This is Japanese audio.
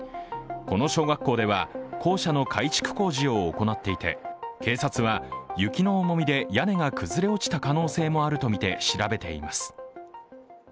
この小学校では校舎の改築工事を行っていて警察は、雪の重みで屋根が崩れ落ちた可能性もあるとみて調べています。